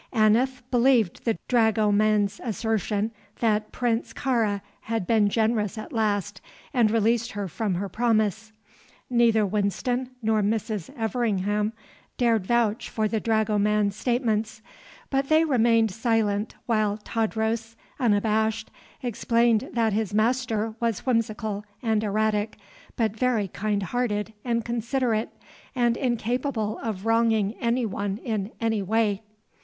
Aneth believed the dragoman's assertion that Prince Kāra had been generous at last and released her from her promise. Neither Winston nor Mrs. Everingham dared vouch for the dragoman's statements; but they remained silent while Tadros, unabashed, explained that his master was whimsical and erratic, but very kind hearted and considerate, and incapable of wronging any one in any way.